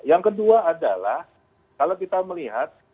yang kedua adalah kalau kita melihat